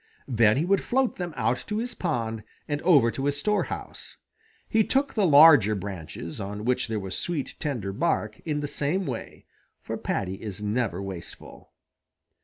Then he would float them out to his pond and over to his storehouse. He took the larger branches, on which there was sweet, tender bark, in the same way, for Paddy is never wasteful.